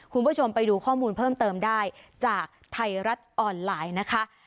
คุณผู้ชมไปดูข้อมูลเพิ่มเติมได้จากไทยรัฐออนไลน์นะคะ